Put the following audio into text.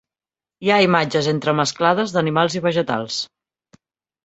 Hi ha imatges entremesclades d'animals i vegetals.